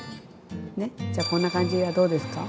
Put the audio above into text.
じゃこんな感じはどうですか？